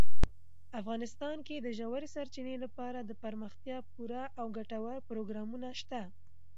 افغانستان کې د ژورې سرچینې لپاره دپرمختیا پوره او ګټور پروګرامونه شته.